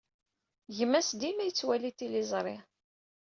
Gma-s dima yettwali tiliẓri.